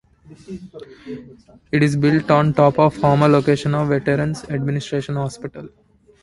It is built on top of the former location of Veterans Administration Hospital.